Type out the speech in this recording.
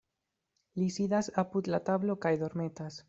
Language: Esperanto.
Li sidas apud la tablo kaj dormetas.